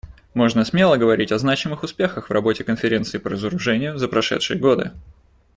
Можно смело говорить о значимых успехах в работе Конференции по разоружению за прошедшие годы.